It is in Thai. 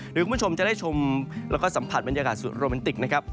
คุณผู้ชมจะได้ชมแล้วก็สัมผัสบรรยากาศสุดโรแมนติกนะครับ